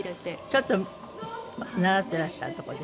ちょっと習っていらっしゃるとこです。